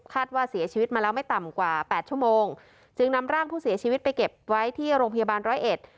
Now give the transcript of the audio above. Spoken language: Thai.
ว่าเสียชีวิตมาแล้วไม่ต่ำกว่าแปดชั่วโมงจึงนำร่างผู้เสียชีวิตไปเก็บไว้ที่โรงพยาบาลร้อยเอ็ด